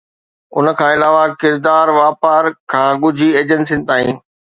ان کان علاوه، ڪردار واپار کان ڳجهي ايجنسين تائين